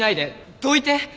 どいて！